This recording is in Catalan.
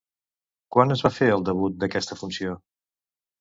Quan es va fer el debut d'aquesta funció?